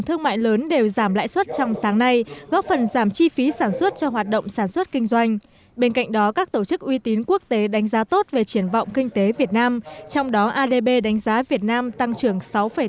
thủ tướng nguyễn xuân phúc đánh giá tốt về triển vọng kinh tế việt nam trong đó adb đánh giá việt nam tăng trưởng sáu tám